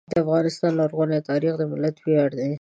د افغانستان لرغونی تاریخ د ملت ویاړ دی.